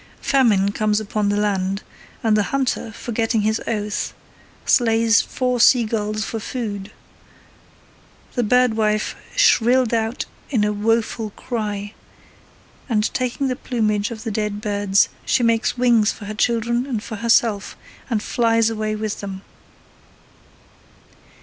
Famine comes upon the land, and the hunter, forgetting his oath, slays four sea gulls for food. The bird wife 'shrilled out in a woful cry,' and taking the plumage of the dead birds, she makes wings for her children and for herself, and flies away with them.